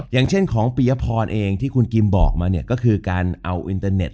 อย่างเช่นของปียพรเองที่คุณกิมบอกมาเนี่ยก็คือการเอาอินเตอร์เน็ต